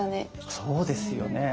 そうですよね。